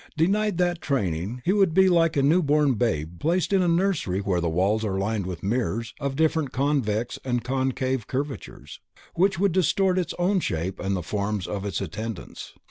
Denied that training he would be like a new born babe placed in a nursery where the walls are lined with mirrors of different convex and concave curvatures, which would distort its own shape and the forms of its attendants.